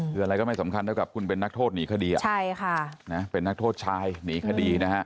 เรื่องอะไรก็ไม่สำคัญเท่ากับคุณเป็นนักโทษหนีคดีเป็นนักโทษชายหนีคดีนะคะ